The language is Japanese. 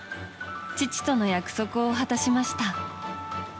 父との約束を果たしました。